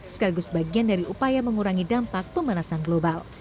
sekaligus bagian dari upaya mengurangi dampak pemanasan global